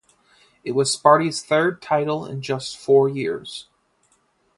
It was Sparty's third title in just four years.